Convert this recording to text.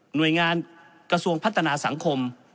หน่วยงานกระทรวงพัฒนาสังคม